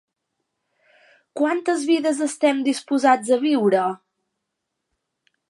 ¿quantes vides estem disposats a viure?